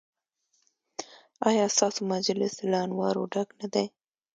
ایا ستاسو مجلس له انوارو ډک نه دی؟